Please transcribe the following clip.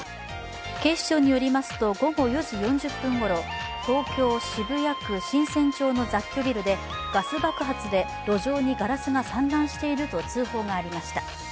警視庁によりますと、午後４時４０分ごろ東京・渋谷区神泉町の雑居ビルでガス爆発で路上にガラスが散乱していると通報がありました。